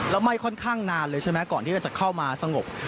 แล้วไหม้ค่อนข้างนานเลยใช่ไหมก่อนที่จะเข้ามาสงบ